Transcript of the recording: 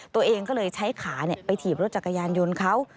ตัวเองก็เลยใช้ขาไปถีบรถจักรยานยนต์เขา